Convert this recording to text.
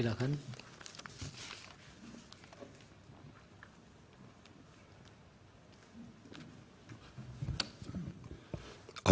selanjutnya dilanjutkan oleh teman kami